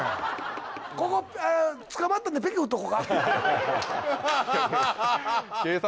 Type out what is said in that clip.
ここ捕まったってペケ打っとこか？